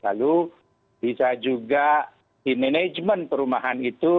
lalu bisa juga di manajemen perumahan itu